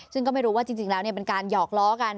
ซึ่งก็ไม่รู้ว่าจริงแล้วเป็นการหยอกล้อกัน